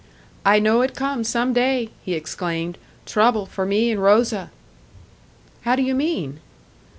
"I know it come some day," he exclaimed "trouble for me and Rosa!" "How do you mean?"